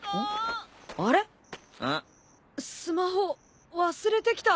スマホ忘れてきた。